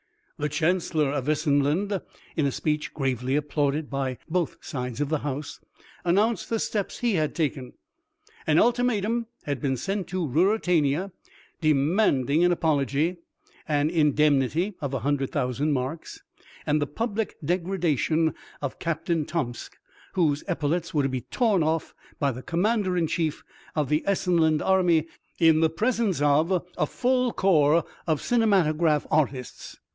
The Chancellor of Essenland, in a speech gravely applauded by both sides of the House, announced the steps he had taken. An ultimatum had been sent to Ruritania demanding an apology, an indemnity of a hundred thousand marks, and the public degradation of Captain Tomsk, whose epaulettes were to be torn off by the Commander in Chief of the Essenland Army in the presence of a full corps of cinematograph artists.